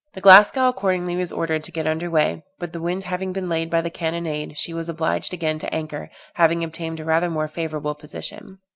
The Glasgow accordingly was ordered to get under weigh, but the wind having been laid by the cannonade, she was obliged again to anchor, having obtained a rather more favorable position.